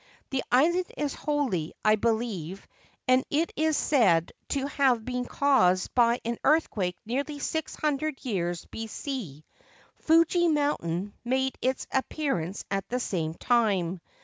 The island is holy, I believe, and it is said to have been caused by an earthquake nearly 600 years B.C. Fuji Mountain made its appearance at the same time.